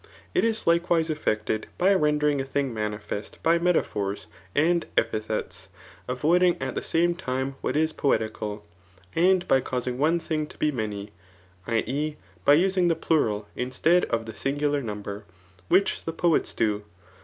It k likewise effected by rendering a thing manifest by metaphors, and ^thets, avoiding at the same time what is poetical. And by causing one thing to be many, [i, e. by using the plural instead of the singular number,]] which the poets do.